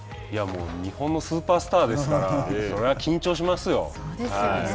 いやもう日本のスーパースターですからそうですよね。